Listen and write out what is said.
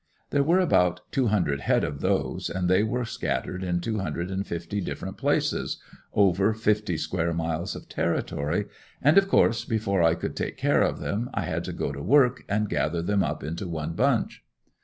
There were about two hundred head of those and they were scattered in two hundred and fifty different places over fifty square miles of territory and of course before I could take care of them I had to go to work and gather them up into one bunch.